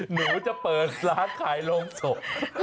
หนูจะเปิดร้านขายโรงศพ